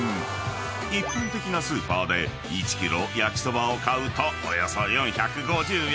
［一般的なスーパーで１ｋｇ焼そばを買うとおよそ４５０円］